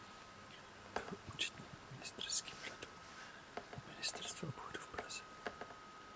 Byl účetním a ministerským radou u ministerstva obchodu v Praze.